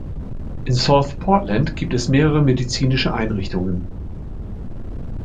In South Portland gibt es mehrere medizinischen Einrichtungen.